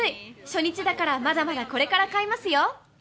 初日だからまだまだこれから買いますよ。